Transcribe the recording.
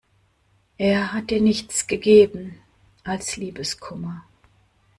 Er hat dir nichts gegeben als Liebeskummer.